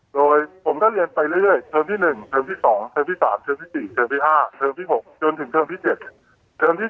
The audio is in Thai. โดยผมก็เรียนไปเรื่อยเทอมที่๑เทอมที่๒เทอมที่๓เทอมที่๔เทอมที่๕เทอมที่๖จนถึงเทอมที่๗เทอมที่๒